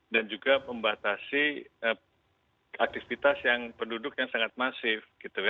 dan juga membatasi aktivitas yang penduduk yang sangat masif